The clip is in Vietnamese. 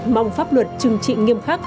mong pháp luật trừng trị nghiêm khắc